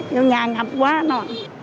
vô nhà ngập quá nó